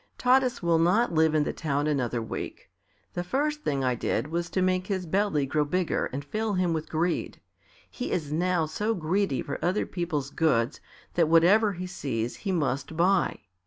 Taras will not live in the town another week. The first thing I did was to make his belly grow bigger and fill him with greed. He is now so greedy for other people's goods that whatever he sees he must buy.